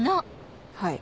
はい。